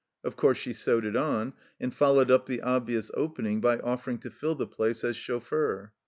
Of course she sewed it on, and followed up the obvious opening by offer ing to fill the place as chauffeur.